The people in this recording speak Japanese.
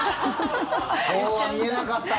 そうは見えなかった。